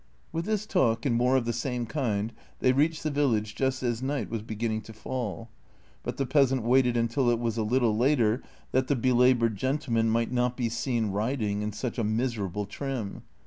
With this talk and more of the same kind they reached the village just as night was beginning to fall, but the peasant waited until it was a little later that the belabored gentleman might not be seen riding in such a miserable trim.